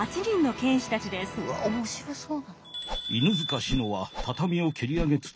うわ面白そう。